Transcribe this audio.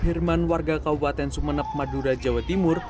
herman warga kabupaten sumeneb madura jawa timur